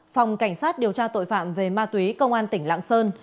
phòng cảnh sát điều tra tội phạm về ma túy công an tỉnh lạng sơn